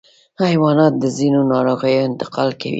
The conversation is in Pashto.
حیوانات د ځینو ناروغیو انتقال کوي.